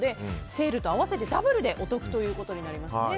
セールと合わせてダブルでお得ということになりますね。